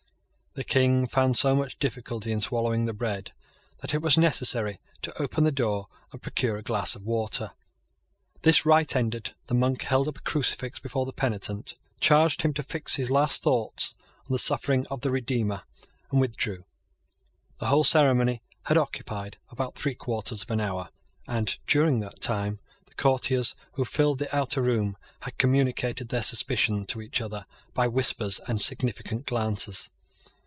The King found so much difficulty in swallowing the bread that it was necessary to open the door and procure a glass of water. This rite ended, the monk held up a crucifix before the penitent, charged him to fix his last thoughts on the sufferings of the Redeemer, and withdrew. The whole ceremony had occupied about three quarters of an hour; and, during that time, the courtiers who filled the outer room had communicated their suspicions to each other by whispers and significant glances.